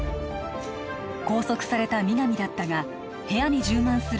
拘束された皆実だったが部屋に充満する